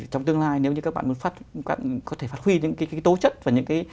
trong tương lai nếu như các bạn muốn có thể phát huy những cái tố chất và những cái